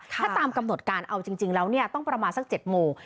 ถ้าตามกำหนดการเอาจริงแล้วเนี่ยต้องประมาณสัก๗โมง